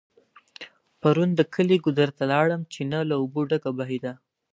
پرون د کلي ګودر ته لاړم .چينه له اوبو ډکه بهيده